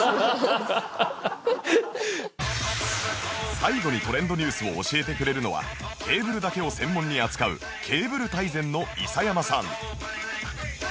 最後にトレンドニュースを教えてくれるのはケーブルだけを専門に扱う『ケーブル大全』の伊佐山さん